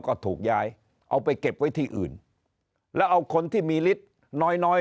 ก็ถูกย้ายเอาไปเก็บไว้ที่อื่นแล้วเอาคนที่มีฤทธิ์น้อยน้อย